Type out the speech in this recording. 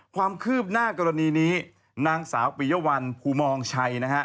ความคืบหน้ากรณีนี้นางสาวปียวัลภูมองชัยนะฮะ